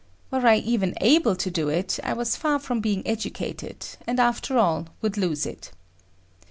Were I even able to do it, I was far from being educated, and after all, would lose it.